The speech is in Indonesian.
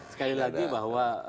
sekali lagi bahwa